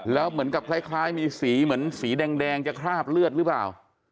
แล้วเหมือนกับคล้ายมีสีเหมือนสีแดงจะคราบเลือดหรือเปล่า